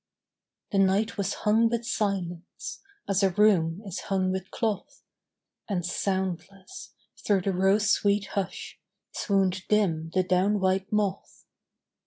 The night was hung with silence As a room is hung with cloth, And soundless, through the rose sweet hush, Swooned dim the down white moth.